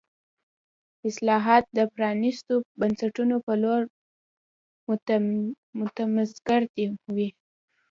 اصلاحات د پرانیستو بنسټونو په لور متمرکز وو.